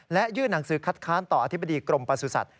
และยื่นหนังสือคัดค้านต่ออธิบดีกรมประสุทธิ